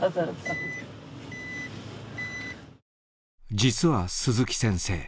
実は鈴木先生